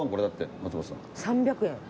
３００円。